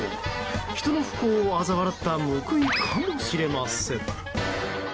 人の不幸をあざ笑った報いかもしれません。